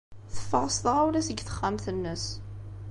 Teffeɣ s tɣawla seg texxamt-nnes.